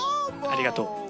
ありがとう。